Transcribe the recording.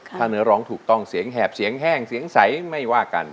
ถ้าเนื้อร้องถูกต้องเสียงแหบเสียงแห้งเสียงใสไม่ว่ากัน